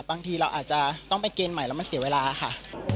บางทีเราอาจจะต้องไปเกณฑ์ใหม่แล้วมันเสียเวลาค่ะ